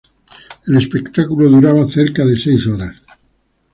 El espectáculo duraba cerca de seis horas.